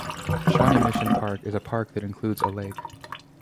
Shawnee Mission Park is a park that includes a lake.